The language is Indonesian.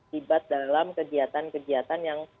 tiba dalam kegiatan kegiatan yang